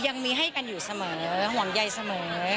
ยังมีให้กันอยู่เสมอห่วงใยเสมอ